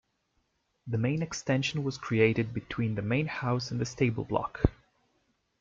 The main extension was created between the main house and the stable block.